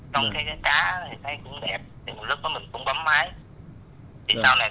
xong cái cá thì thấy cũng đẹp